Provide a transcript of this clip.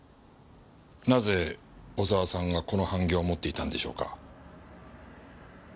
なぜ小沢さんがこの版木を持っていたんでしょうか？